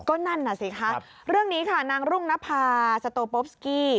ก็นั่นน่ะสิคะเรื่องนี้ค่ะนางรุ่งนภาสโตโปสกี้